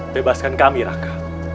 bebaskan kami raka